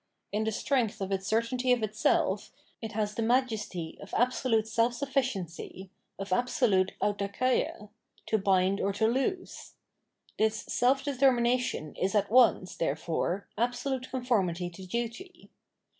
In the strength of its certainty of itself, it has the majesty of absolute seK sufficiency, of absolute ain apKeia, to bind or to loose. This self determination is at once, therefore, absolute conformity to duty.